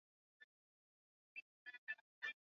winnie na watoto wake waligonga lango lililokuwa limefungwa